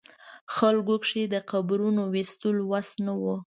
خلکو کې د قبرونو ویستلو وس نه و.